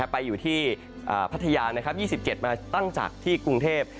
๒๔ไปอยู่ที่พัทยานะครับ๒๗มาตั้งจากที่กรุงเทพฯ